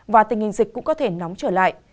và tình hình dịch cũng có thể nóng trở lại